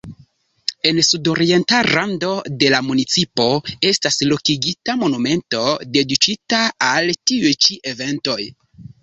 En sudorienta rando de la municipo estas lokigita monumento dediĉita al tiuj ĉi eventoj.